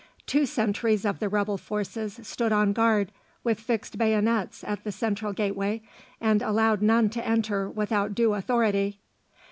Two sentries of the rebel forces stood on guard with fixed bayonets at the central gateway, and allowed none to enter without due authority.